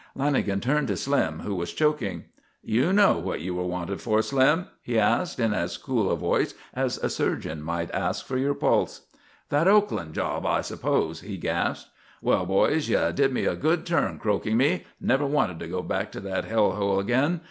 Lanagan turned to Slim, who was choking. "You know what you were wanted for, Slim?" he asked in as cool a voice as a surgeon might ask for your pulse. "That Oakland job, I suppose," he gasped. "Well, boys, you did me a good turn croaking me. I never wanted to go back to that hell hole again.